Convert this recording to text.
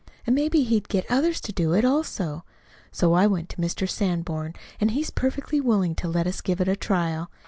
And maybe he'd get others to do it also. So I went to Mr. Sanborn, and he's perfectly willing to let us give it a trial.